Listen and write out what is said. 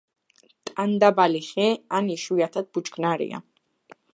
ტანდაბალი ხე ან იშვიათად ბუჩქნარია.